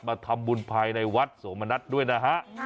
มาทำบุญภายในวัดโสมณัฐด้วยนะฮะ